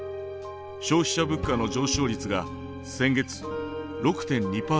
消費者物価の上昇率が先月６．２％を記録。